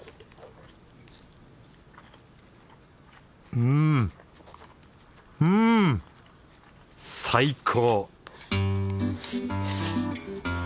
うんうん！最高！